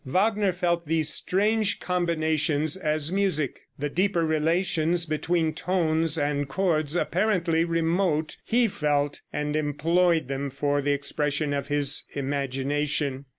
Wagner felt these strange combinations as music. The deeper relations between tones and chords apparently remote, he felt, and employed them for the expression of his imagination.